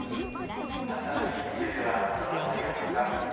あしたのフリーに向けては今、どんな思いがありますか？